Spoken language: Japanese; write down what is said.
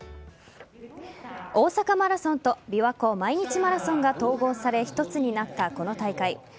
大阪マラソンとびわ湖毎日マラソンが統合され一つになったこの大会。